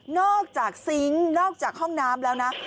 อกจากซิงค์นอกจากห้องน้ำแล้วนะ